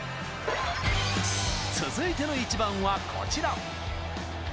続いてのイチバンは、こちら。